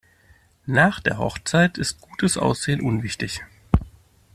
Nach der Hochzeit ist gutes Aussehen unwichtig.